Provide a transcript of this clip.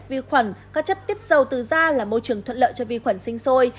vi khuẩn các chất tiết dầu từ da là môi trường thuận lợi cho vi khuẩn sinh sôi